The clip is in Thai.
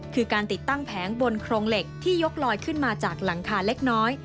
คือการติดตั้งแผงบนโครงเหล็กที่ยกลอยขึ้นมาจากหลังคาเล็กน้อย